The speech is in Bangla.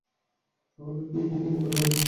তাহলে তো খুব উপকার হয়।